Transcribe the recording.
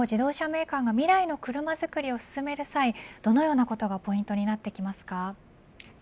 今後、自動車メーカーが未来の車づくりを進める際どのようなことがポイントになってきますか。